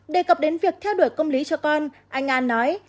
đề cập đến việc theo đuổi công lý cho con anh an nói